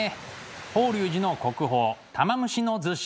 法隆寺の国宝「玉虫厨子」。